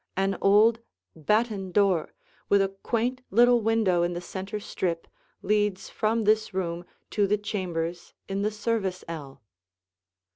An old batten door with a quaint little window in the center strip leads from this room to the chambers in the service ell.